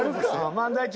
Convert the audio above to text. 漫才中